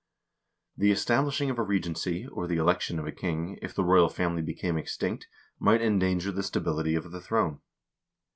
The establishing of a regency, or the election of a king, if the royal family became extinct, might endanger the stability of the throne.